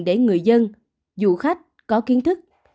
để người dân du khách có kiến thức